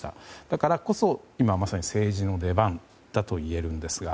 だからこそ、今まさに政治の出番だといえるんですが。